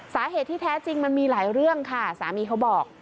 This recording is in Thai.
สาเหตุที่แท้จริงมันมีหลายเรื่องค่ะสามีเขาบอก